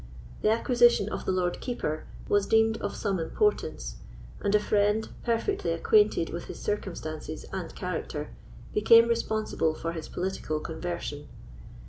The acquisition of the Lord Keeper was deemed of some importance, and a friend, perfectly acquainted with his circumstances and character, became responsible for his political conversion.